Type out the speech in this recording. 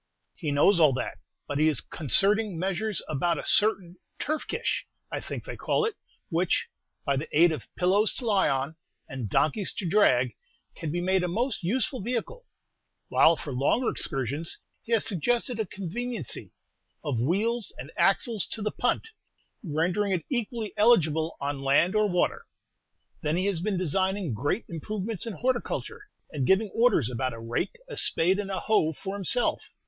"He knows all that; but he is concerting measures about a certain turf kish, I think they call it, which, by the aid of pillows to lie on, and donkeys to drag, can be made a most useful vehicle; while, for longer excursions, he has suggested a 'conveniency' of wheels and axles to the punt, rendering it equally eligible on land or water. Then he has been designing great improvements in horticulture, and giving orders about a rake, a spade, and a hoe for himself.